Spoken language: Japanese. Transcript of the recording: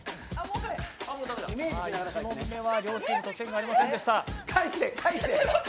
１問目は両チーム得点がありませんでした。